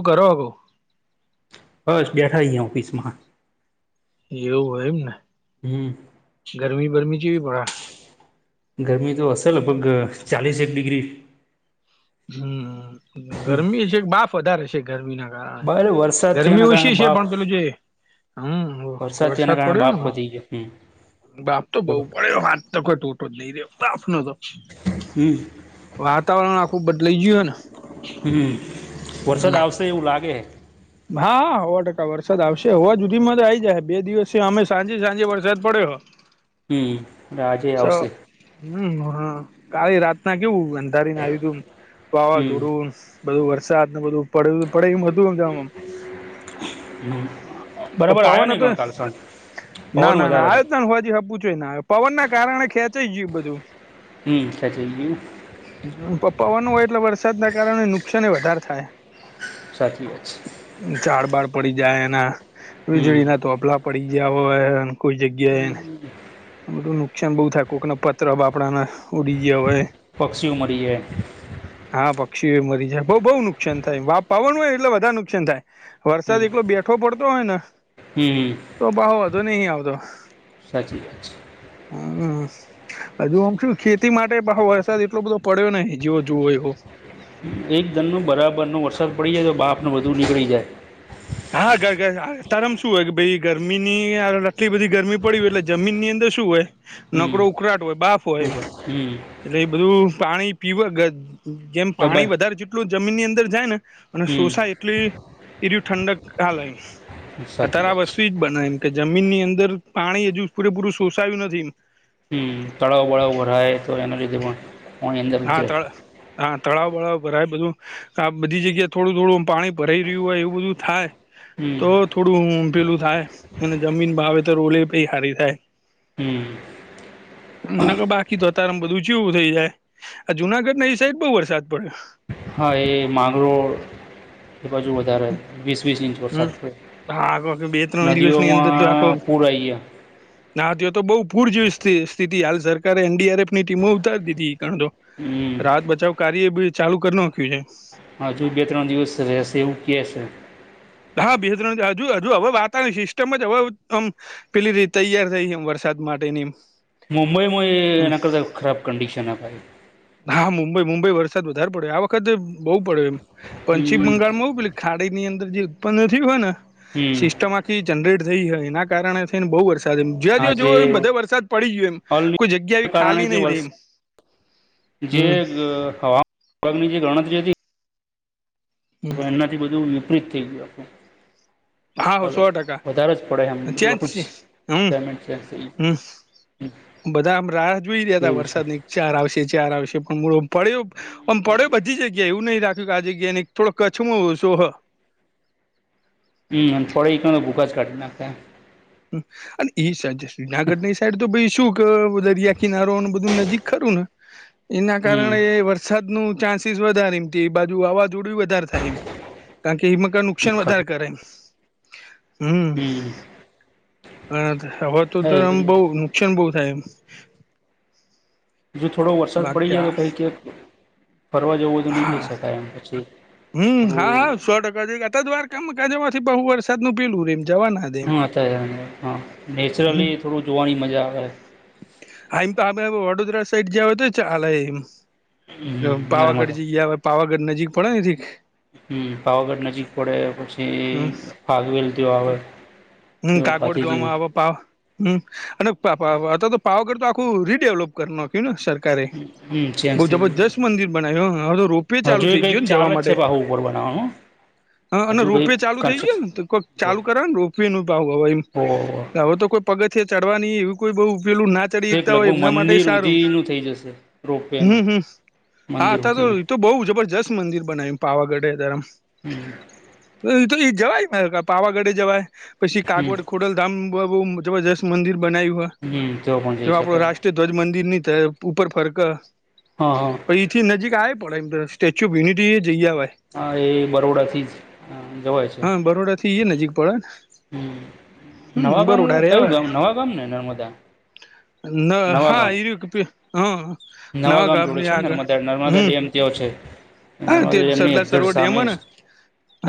શું કરો? બસ, બેઠા અહીંયા ઓફિસમાં. એવું હોય એમ ને. હમ્મ. ગરમી-બરમી જેવી પડે. ગરમી તો હશે, હ, લગભગ ચાલીસ એક ડિગ્રી. હમ્મ, હમ ગરમી છે કે બાપ વધારે છે, ગરમી ના કારણે બરે વરસાદ થયો ગરમી એના કારણે ઓછી છે, બાપ પણ પેલું જે હમ્મ, થયો એના વરસાદ કારણે પડ્યો બાપ ને. વધી ગયો હમ બાપ તો બઉ બોલો પડે હાથ તો કોઈ ટોટો જ નહી રહ્યો બાપ ન તો હમ્મ વાતાવરણ આખું બદલાઈ ગયું હ ને. હમ્મ, વરસાદ આવશે એવું લાગે હે. હા, હો ટકા વરસાદ આવશે. હજુ જુનમાં જ આ આવી જાય. બે દિવસ અમે સાંજે સાંજે વરસાદ પડ્યો હ. [unintelligible] હમ્મ આજે આવશે હમ હા કાલે રાત ના કેવું અંધારીને આવ્યુ તું હમ વાવાઝોડવું બધું વરસાદ ને બધું પડે પડે એમ હતુંમ જવામ હમ બરાબર આવ્યો પવન નહી હતો પણ કાલ સાંજ ના પવન ના ના વધારે હતો આવ જ ના હોવાજ આપવું જોઈને પવન ના કારણે ખેંચાઇ ગયું બધું હમ ખેંચાઈ ગિયું પવન હોય એટલે વરસાદના કારણે નુકસાન એ વધારે થાય સાચી વાત છે ઝાડ બાર પડી જાય એના હમ વીજળી ના તોપલા પડી ગયા હોય કોઈ જગ્યા એ આ બધું નુકસાન બહુ થાય કોક ના પત્ર બાપડાના ઉડી ગયા હોય પક્ષીઓ મરી જાય હા પક્ષીઓ મરી જાય બ બહુ નુકસાન થાય પાવન હોય એટલે બધા નુકસાન થાય વરસાદ હમ એકલો બેઠવો પડતો હોય ને હમ તો બાહો વધો નહી આવતો સાચી વાત છે હમ હજુ આમ શું ખેતી માટે વરસાદ એટલો બધો પડ્યો ને જેવો જોવો એવો એક ધનનો બરાબરનો વરસાદ પડી જાય તો બાફને વધુ નીકળી જાય હા તારમ શું હોય કે ભાઈ ગરમીની આટલી બધી ગરમી પડી હોય એટલે જમીન ની અંદર શું હોય હમ નકરો ઉખરાાટ હોય બાફ હોય હમ એટલે એ બધું પાણી પીવ ગ જેમ પાણી દબાય વધારે જેટલું જમીન ની અંદર જાય ને અને હમ શોષાય એટલી એ ઠંડક [unintelligible] સાચી ત્યારે વાત છે બસું બના એમ કે જમીન ની અંદર પાણી હજુ પૂરેપૂરું સોષાયું નથી હમ તળાવ બળાવ ભરાય તો એના લીધે પણ પાણી અંદર હા ઉતરે ત હા તળાવ બળાવ ભરાય બધું આ બધી જગ્યાએ થોડું થોડું પાણી ભરાઈ રહ્યું હોય એવું બધું થાય હમ તો થોડું પેલું થાય અને જમીન ભાવ તો રોલે પહી હારી થાય હમ ન ક બાકી તો અત્યારેમ બધું છેવું થઇ જાય આ જુનાગઢ ના એ સાઈડ બહુ વરસાદ પડ્યો હા એ માંગરો એ બાજુ વધારે વીસ વીસ ઇંચ વરસાદ હમ પડે હા બે ત્રણ દિવસની અંદર તો આખો નદીઓમાં પૂર આવી ગયા ના અત્યારે તો બવ પૂર જેવી સ્થિતિ હાલ સરકારે એન ડી આર એફ ની ટીમો ઉતારી દીઘી ગણતો હમ રાહત બચાવ કાર્ય બી ચાલુ કરી નાખ્યું છે હાજુ બે ત્રણ દિવસ રહેશે એવું કહે છે હા બે ત્રણ હજુ હજુ હવે વાતાવરણ સિસ્ટમ જ હવે આમ પેલી રી તૈયાર થઈ છે એમ વરસાદ માટેની મુુંબઈમાં હમ. એના કરતા ખરાબ કંડિશન આપાય હા મુંબઈ મુંબઈ વરસાદ વધારે પડ્યો આ વખતે બહુ પડ્યો એમ પશ્ચિમ હમ બંગાળમાંવ પેલી ખાડી ની અંદર જે ઉત્પન્ન નથી હોય ને હમ સિસ્ટમ થી જનરેટ થઈ હોય એના કારણે થઈને બહુ વર્ષ જોયા જો જો આજે એમ બધો વરસાદ પડી ગયો એમ અલ કોઈ જગ્યા એ કારણે ખાલી જે નહી વર્ષ રહી જે હમ હવામાનાગની જે ગણતરી હતી હમ. એમનાથી બધું વિપરીત થઈ ગયું હા આપણું સો ટકા હ વધારે જ પડે ત્યાં જ હમછ છે હમ પેમેન્ટ છે હમ બધા આમ રાહ જોઈ રહ્યા તા છે વરસાદની ચાર આવશે ચાર આવશે પણ મળ પડ્યો આમ પડ્યો બધી જગ્યા એવું નહીં રાખ ખ્યું કે આ જગ્યા ની થોડા કચ્છમાં ઓછું હ હ થોડી ઘન ભૂખ જ ઘટના છે અને ઈ સાઈડ શ્રીનાગઢ ની સાઈડ તો ભાઈ શું દરિયા કિનારો બધું નજીક ખરું ને એના હમ કારણે વરસાદ ન ચાન્સ વધ એમ બાજુ વાવાઝોડું વધારે થાય એમ કારણ કે મકર શન ખર વધારે કરે હમ્મ હમ હવે તો હા એ આમ બઉ બધું નુકસાન બહ થાય એમ જો થોડો વરસાદ પડી બાકી જાય આ તો કંઈ કક ફરવા જવું હોય તો નહીં કહી હા શકાય એમ પછી હમ હા થોડું હા સો ટકા જઈ ગ હતા દ વાર કામ જવા થી બહુ વરસાદ નું પેલું એમ જવાના જ દે હા અ હા હમ નેચરલી થોડું જોવાની મજા આવે આમ તો વડોદરા સાઈડ જાવ તો ચાલે એમ હમ પાવાગઢ નર્મદા જઈયા આવે પાવાગઢ નજીક પડે ને થીક હમ્મ પાવાગઢ નજીક પડે પછી ફાગવેલ ત્યાં આવે હમ્મ કાગવડ ભાતીજીનું જોવામાં આવે પાવ હમ્મ અને તો પાવાગઢ તો આખું રીડેવલપ ને સરકારે હમ ચેન્જ બ થઈ ગયું જબરસ્ત મંદિર બનાવ્યું તો પે ચાલુ હજુ એ થઈ ગયો કંઈક ને જવા ચાલે જ માટે છે બાહુ ઉપર બનાવવાનું હ અને હજુ રોપે કંઈક ચાલુ થઈ ગયો કન્સ્ટ્રક્શન ને કોઈક ચાલુ કરવાનું રોપ ન ભાવ હવેમ ઓ હવે તો કોઈ પગથ ચડવાની એવ કોઈ બહ ઉપેલું ના એક ડીતા હોય લગભગ એમના માટે મંદિર સારું ઉધીનું થઈ જશે રોપવેનું હમ્મ હમ્મ હા મંદિર થ સુધીનું તો બહુ જબરજસ્ત મંદિર બનાય પાવાગઢે ધરમ હમ તો એ જવાય પાવાગઢે જવાય પછી હમ કાગવડ ખોડલધામ બહુ જબરજસ્ત મંદિર બનાય્યું હોય હમ તો પણ તે જઈ આપડો શકાય રાષ્ટ્રીય ધ્વજ મંદિર ની ઉપર ફરક હા હા પણ એથી નજીક આવે પડે એમ સ્ટેચ્યુ ઓફ યુનિટી એ જઈએ આવેય હ એ બરોડા થી જ જવાય છે. હા નજીક પડે હમ હમ્મ નવા ગામ કયું બરુંડારેવા ગામ નવા ગામ ને નર્મદા નવા હા ગામ [unintelligible] હ નવા ગ અમ્ની આગ હમ્મ તેયો છે હા નર્મદા તે ડેમની સરદાર એક્ઝેટ સરોવર ડેમ સામે હ ને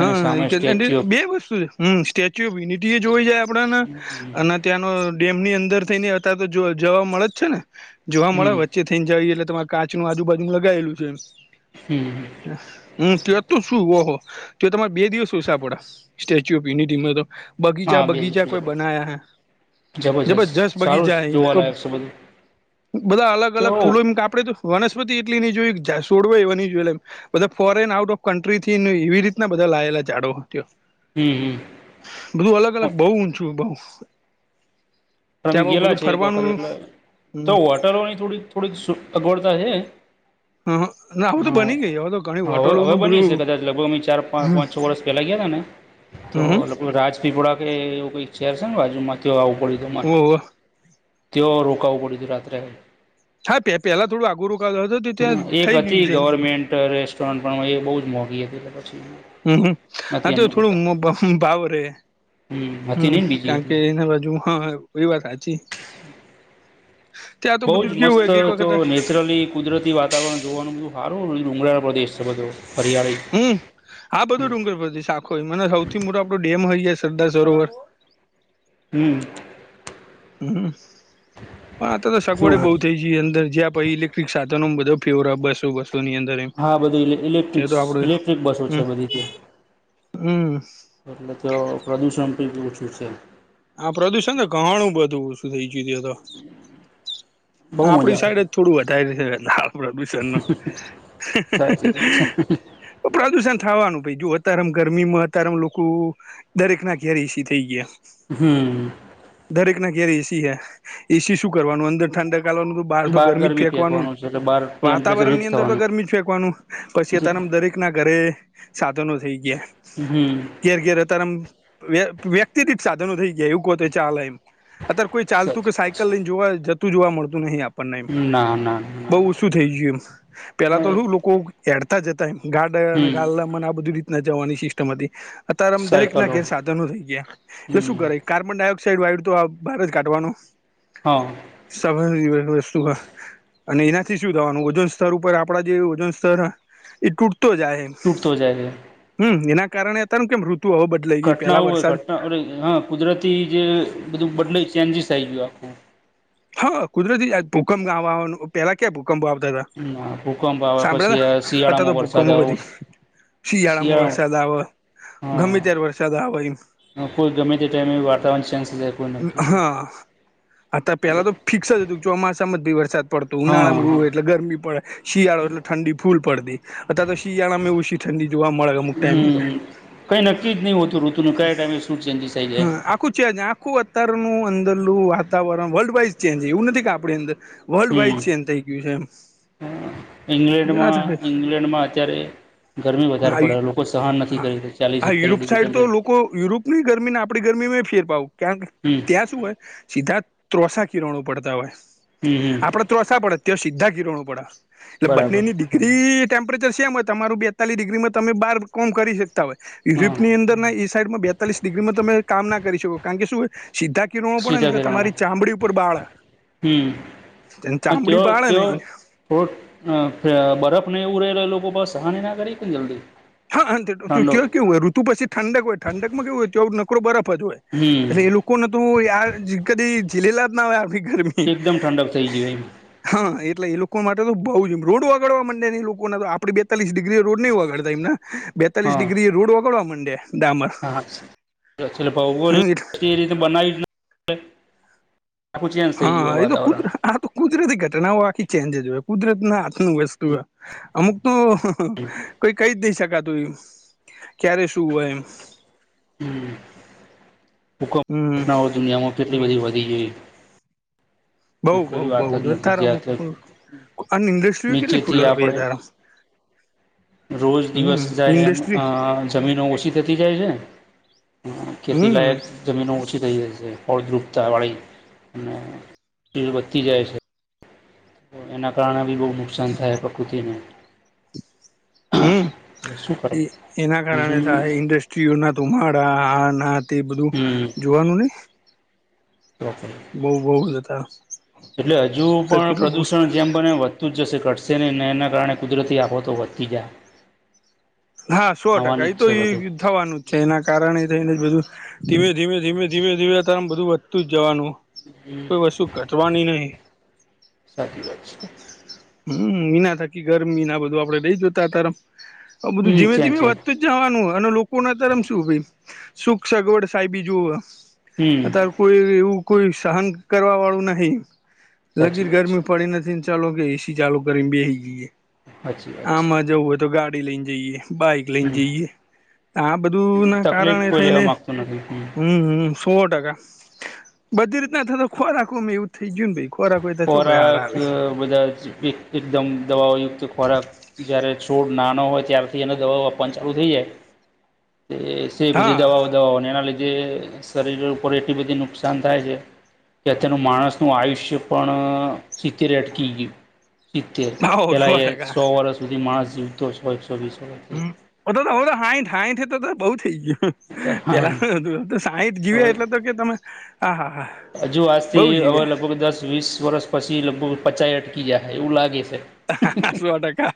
એની સામે સ્ટેચ્યુ ઓફ બે વરસ સુધી. હમ્મ સ્ટેચ્યુ ઓફ યુનિટી એ જોઈ જાય આપડા હમ અન ત્યાંનો ડેમની અંદર થઈ ને હતા તો જો જોવા મળે જ છે ને જોવા મળે હમ વચ્ચે જઈ એટલે તમારે કાચનું આજુબાજુનુ લગાયેલું છે એમ હમ્મ હમ્મ ત તો શું ઓહો ત તમારે બે દિવસ હોય સાપડા સ્ટેચ્યુ ઓફ યુનિટી મે તો બગીચા હા બે બગીચા દિવસું કોઈ બનાયા હૈ. જે બ જસ જબરજસ્ત સારું બગીચા એમ જોવાલાયક છે બધું બધા અલગ તો અલગ ફૂલો એમ કાપડે તો વનસ્પતિ એટલી ની જોઈ, જાસવડું એવા ની જોયા એમ બધા ફોરેન આઉટ ઓફ કન્ટ્રીથી ને એવી રીતના બધા લાયેલા ઝાડવા હમ્મ, હમ્મ. બધું અલગ અલગ બઉ ઊંચું બઉ અમે ત્યાં ગેલા બધું છે એક ફરવાનું વખત એટલે તો હમ હોટલોની થોડીક થોડીક સગવડતા છે. ના હવે તો હા, બની ગઈ હવે તો ઘણી હવે હવે હોટલોનું બનીશે બધું કદાચ લગભગ અહ ચાર પાચ હમ પાંચ છ વર્ષ પહેલા ગયાતા ને તો હમ લગભગ રાજ પીપડા કે એવું કઈક ચેર છે ને બાજુમાં ત્યાં આવું પડ્યું તું હોવો તેઓ રોકાવવું પડ્યુંતું રાત્રે હા, પે પેહલા થોડું આગું [unintelligible] એક હતી ગવર્મેન્ટ રેસ્ટોરન્ટ પણ એ બોજ મોંઘી હતી એટલે પછી હમ્મ, હા નથી તો થોડું અનુકૂળતા ભાવ રે હતી હમ નહીં ને બીજી કારણ કે એટલે એના બાજુ હા એ વાત સાચી ત્યાં તો બધું જ કેવું હોય કઈક વખતે અચરલી કુદરતી વાતાવરણ જોવાનું બધું સારું ડુંગળાળો પ્રદેશ છે બધો હરિયાળી હમ આ બધો ડુંગર પથી શાખોય મને સૌથી મોટો આપણો ડેમ હોય સરદાર સરોવર હમ હમ પણ આ તો તો સગવડે કેવું બહુ હતું થઈ જે અંદર જે આપ ઇલેક્ટ્રિક સાધનો બધો ફેવર બસો બસોની અંદર એમ હા બધું ઇલેક્ટ્રિક તે તો આપડે ઇલેક્ટ્રિક બસો છે હમ બધી હમ એટલે તો પ્રદુષણ પણ ઓછું છે આ પ્રદુષણ તો ઘણું બધુંું થઈ જુતું હત બહુ આપડી મજા સાઈડ આવે જ થોડું વધારે છે આપરાત બશાર ન સાચી વાત છે પ્રદુષણ થવાનું ભ જો અત્યારે આમ ગરમી માં અત્યારેમ લોકો દરેક ના ઘર એસી થઈ ગયા હમ દરેક ના ક્યારે એસી હે એસી શું કરવાનું અંદર ઠંડા કાવાનું બહાર તો ગરમી જ ફેંકવાનું છે એટલે બહાર ટેમ્પરેચર હીટ વાતાવરણની અંદર તો થવાનું ગરમી જ ફેંકવાનું પછી અત્યારેમ દરેક ના ઘરે સાધનો થઈ ગયા હમ ઘેર ઘેર અત્યારેમ વ્યક્તિ રત સાધનો થઈ ગયા એવું કોતે ચલે એમ અત્યારે કોઈ ચાલતું સાચી કે વાત સાયકલ લઈને જોવા જતું જોવા મળતું નહીિ આપડે એ છે ના ના ના બહ ના ઓછું થઈ ગયું એમ પેલા તો લોકો હડતા જતા એમ ગાડ અને હમ ગા મને આ બધી રીતના જવાની સિસ્ટમ હતી અતાર આમ દરેક ના સાયકલો ઘેર સાધનો થઈ ગયા એટલે શું હમ કરે કાર્બન ડાયોક્સાઇડ વાયુ તો આ બહાર જ કાઢવાનું હા હી વસ્તુ અને એનાથી શું થવાનું ઓજોન સ્તર ઉપર આપડા જે ઓજોન સ્તર એ તૂટતો જાય ટુક્ત હો જાયગ હમ એના કારણે અતારનું કેમ ઋતુ હોવ બધ ઘટનાઓ હોય ઘટના અ હા કુદરતી જે બધું બદલે ચેન્જીસ આવી ગયું આખું હા કુદરતી ભૂકંપ ગ આવવાનું પહેલા ક્યાં ભૂકંપ આવતા હતા ના ભૂકંપ આવે પછી સાંભળ્યા આ હતા અત તો શિયાળામાં વરસાદ આવો ભૂકમધી શિયાળામાં શિયાળા વરસાદ આવે ગમે ત્યારે વરસાદ આવે એમ કોઈ ગમે તે ટાઈમ એ વાતાવરણ ચેન્જ થ જાય કોઈ નક્કી આ પેલા તો ફિક્સ જ હતું ચોમાસામાં જ ભી વરસાદ પડતું હા ઉનાળા હા માં એટલે ગરમી પડે શિયાળો એટલે ઠંડી ફૂલ પડતી અથ તો શિયાળામાં એવું ઠંડી જોવા મળે અમુક ટાઈમે તો હમ કઈ નક્કી જ નહી હોતું ઋતુ ન કયા ટાઈમે શું ચેન્જીિસ થઇ જાય હા આખું છેજ આખું અતારનું અંદરલું વાતાવરણ વર્લ્ડ વાઈઝ ચેન્જ એવું નથી કે આપણી અંદર વર્લ્ડ વાઈડ હમ છે એમ થઇ ગયું છે એમ જે ના ઇંગ્લેન્ડમાં થકે ઈંગ્લેન્ડ માં અત્યારે ગરમી વધારે પડે લોકો સહન નથી કરી ચાલીસ એકતાલીસ ડિગ્રી ટેમ્પરેચર આપણી ગરમી ને આપણી ગરમી મે ફેર પાવું કારણ કે હમ ત્યાં શું હોય સીધા ત્રોસાા કિરણો પડતા હોય હમ હમ આપણે ત્રોસા પડે ત્યા સીધા કિરણો પડે એટલે બરાબર બંનેની ડિગ્રી ટેમ્પરેચર સેમ હોય તમારું બી બેતાલીસ ડિગ્રીમાં તમે બાર કોમ કરી શકતા હોય હા યુરિપ ની અંદર ના એ સાઈડમાં બેતાલીસ ડિગ્રીમાં તમે કામ ના કરી શકો કારણ કે શું સીધા કિણવો પડેને સીધા એટલે કિરણમાં તમારી ચામડી ઉપર બાળા હમ ચામડી બાળે ને થોડો બરફ નહીં ઉરેલા એ લોકો બસ હાનિ ના કરી કેને જલ્દી. હા ઠંડો કેવું હોય ઋતુ પછી ઠંડક હોય ઠંક માં કેવું હોય નકરો બરફ જ હોય હમ એટલે એ લોકો કોણ હતું યાર કદી જીલેલા જ ના હોયાર ગરમી. એકદમ ઠંડક થઈ ગયો એમ હા એટલે એ લોકો માટે તો બઉુ જમ રોડ વગડવા માંડે ઈ લોકોને તો આપડી બેતાલીસ ડિગ્રી રોડ નહીં વગાડતા એમને બેતાલીસ હા ડિગ્રી રોડ વગડવા માંડયા. હા ભગો હમ, એટલે એ રીતે બનાવી આપડે. આખુ ચેચ થઈ ગયુ એ તો કુદ વાતાવરણ. હા તો કુદરતી ઘટનાઓ આખી ચેન્જ જો હોય કુદરત ના હાથ નું વસ્તુ અમુક તો કોઈ કઈ જ નહી શકાતું એમ ક્યારે શું હોય એમ. હુકો હમ ઘટના દુનિયામાં કેટલી બધી વધી ગઈ. બઉ એ બઉ કોઈ બઉ વાત જ નથી તારા જ્યાં આ ઇન્ડસ્ટ્રીઓ કેટલી ખુલ્ નીચેથી આપણે તારા [inaudible] રોજ દિવસ જાય એમ જમીનો ઓછી થતી જાય છે. હ ખેતી હમ લાયક. જમીનો ઓછી થઈ જાય છે ફળદ્રુપતા વાળી અને વધતી જાય છે. તો એના કારણે બી બહુ નુકસાન થાય પ્રકૃતિને. હમ શું કરે એના કારણે થાય બીજું ઇન્ડસ્ટ્રીઓના ધુમાડા આ ના તે બધું હમ જોવાનું ને. તોક. બહુ બહુ જતા એટલે હજુ તો પણ કેટલું પુષ્ક પ્રદુષણ જેમ બને વધતું જશે ઘટશે નનેને એના કારણે કુદરતી આફોતો વધતી જાય. હા સો આવવાની ટકા એ જ તો છે એ બધું થવાનું છે એના કારણે એ થઈને બધું. ધીમે ધીમે ધીમે ધીમે ધીમે તમ બધું વધતું જ જવાનું. કોઈ વસ્તુ ધટવાની નહિ. સાચી વાત છે હમ મીના થાકી ગરમીના બધું આપડે લઈ જતા તારમ બધું હમ ધીમે છે ધીમે છે વધતું જ જવાનું હોય અને લોકો ના તરમ શું ભ સુખ સગવડ સાહેબી જો હમ અત્યારે કોઈ એવું કોઈ સહન કરવા વાળું નહી સાચી લગીર વાત છે ગરમી પડી નથી. ચાલો કે એસી ચાલુ કરીને બેસી જઈએ સાચી વાત છે આમાં જવું હોય તો ગાડી લઈને જઈએ. બાઈક લઈને હમ જઈએ આ બધું ના તકલીફ કારણે કોઈ લેવા થઈને માગતું નથી હમ હમ. સો ટકા બધી રીતના થતો ખો રાખો મે એવું થઈ ગયું ને ભાઈ ખોરાક કોઈ તો ચો કોઈ હાર ખોરાક આવી. બધા જ એક એકદમ દવાઓયુક્ત ખોરાક જયારે છોડ નાનો હોય ત્યારથી એને દવાઓન ચાલુ થઈ જાય તે બધી હા દવાઓ દવાઓ અને એના લીધે શરીર ઉપર એટલી બધી નુકસાન થાય છે. ત્યા તેનું માણસનું આયુષ્ય પણ સિતતેરે અટકી ગયું. ચિતતેર ભાવ પેલા સો એ ટકા સો વર્ષ સુધી માણસ જીવતો છ એકસો વીસ વર્ષથી ઓ તો તો તો હાઈઠાાઈઠ તો બઉુ થઈ ગયુ. હા પેલા સાઈઠ જીવ્યા હવે એટલે તો કે તમે હા હા હા. હજુ બઉ આજથી હવે જીવ્યા લગભગ દસ વીસ વરષ પછી લગભગ પચાય અટકી ગયા હ એવું લાગે છે. હ સો ટકા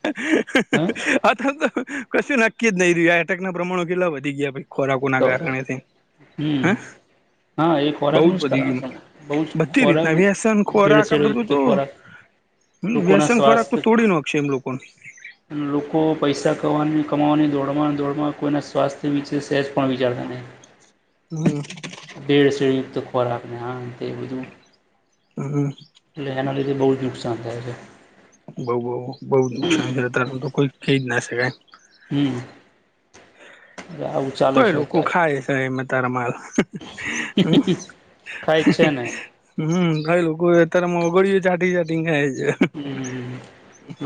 હ અથ તો કશું નક્કી જ નહી રહ્યું આ એટક ના પ્રમાણો કેટલા વધી ગયા ભાઈ. ખોરાકુના તો કારણે તે હ. હમ હા એ બઉ જ ખોરાકનું બધી કારણ ગમ છે બહુ જ બધી ખોરાક રીતના વ્યસન ખોરાક આ ભેળસેળ બધું રીતે તો ખોરાક હ લોકોના વ્યસન ખોરાક તો તોડી નાખકશે એમ લોકોને. અને લોકો પૈસા કની કમાવાની દોડમાં દોડમાં કોઈના સ્વાસ્થ્ય વિશે સે પણ વિચારતાને હમ. બેડ શડયુક્ત ખોરાક ને હા તે એ બધું હમ. એટલે એના લીધે બહુ જ નુકસાન થાય છે. બઉ બઉ બઉ નુકસાન છે અ તાર તો કોઈ થઈ જ ના શકાય હમ આવ તો એ લોકો ખાય છે એમાં તારા માલ હમ ખાય છે ને હમ ઘણા લોકો અત્યારે મગળી ચાઢી ચાઢીં ને ખાઈ છે હમ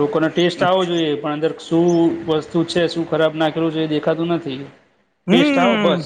લોકોનો ટેસ્ટ આવો જોઈએ પણ અંદર શું વસ્તુ છે શું ખરાબ નાખેલું છે એ દેખાતું નથી ટેસ્ટ આવો હમ બસ